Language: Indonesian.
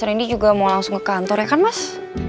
randy juga mau langsung ke kantor ya kan mas